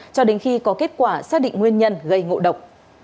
cho đến khi có kết quả xác định nguyên nhân gây ngộ độc